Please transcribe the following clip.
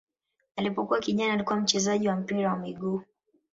Alipokuwa kijana alikuwa mchezaji wa mpira wa miguu.